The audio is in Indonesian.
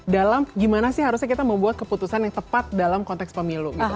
dalam gimana sih harusnya kita membuat keputusan yang tepat dalam konteks pemilu gitu